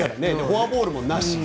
フォアボールもなし。